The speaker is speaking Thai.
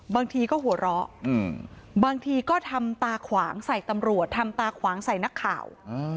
บางทีก็หัวเราะบางทีก็ทำตาขวางใส่ตำรวจทำตาขวางใส่นักข่าว